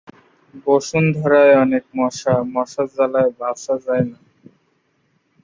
তিনি দীর্ঘদিন ঢাকা বিশ্ববিদ্যালয়ের সমাজকল্যাণ ও গবেষণা প্রতিষ্ঠানের অধ্যাপক ছিলেন।